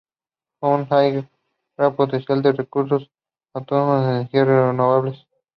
En Honduras hay un gran potencial de recursos autóctonos de energía renovable.